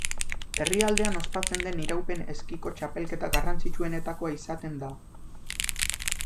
Herrialdean ospatzen den iraupen eskiko txapelketa garrantzitsuenetakoa izaten da.